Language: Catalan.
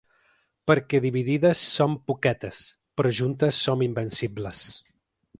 Perquè dividides som poquetes, però juntes som invencibles.